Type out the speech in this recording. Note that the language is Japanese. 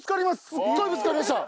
すごいぶつかりました。